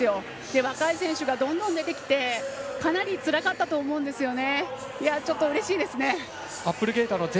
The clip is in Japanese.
若い選手がどんどん出てきてかなりつらかったと思うんですね。